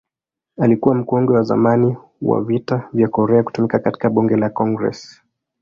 Alikuwa mkongwe wa zamani wa Vita vya Korea kutumikia katika Bunge la Congress.